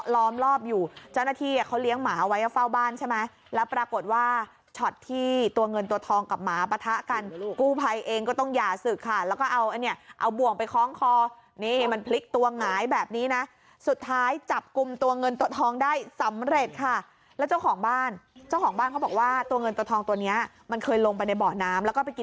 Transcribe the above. ล้อมรอบอยู่เจ้าหน้าที่เขาเลี้ยงหมาไว้เฝ้าบ้านใช่ไหมแล้วปรากฏว่าช็อตที่ตัวเงินตัวทองกับหมาปะทะกันกูภัยเองก็ต้องหย่าสืบค่ะแล้วก็เอาอันเนี่ยเอาบ่วงไปคล้องคอนี่มันพลิกตัวหงายแบบนี้นะสุดท้ายจับกุมตัวเงินตัวทองได้สำเร็จค่ะแล้วเจ้าของบ้านเจ้าของบ้านเขาบอกว่าตัวเงินต